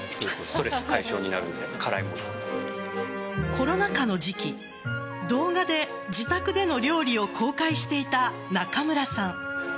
コロナ禍の時期動画で自宅での料理を公開していた中村さん。